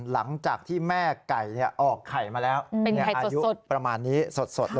หลังจากที่แม่ไก่ออกไข่มาแล้วอายุประมาณนี้สดเลย